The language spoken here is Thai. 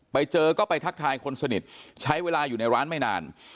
ไปเจอก็ไปทักทายคนสนิทใช้เวลาอยู่ในร้านไม่นาน